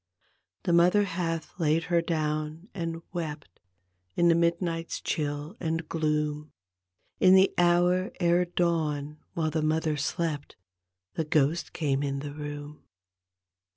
The mother hath laid her down and wept In the midnight's chill and gloom; In the hour ere dawn while the mother slept The ^ost came in the room.